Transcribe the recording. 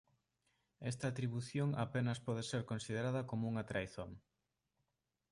Esta atribución apenas pode ser considerada como unha traizón.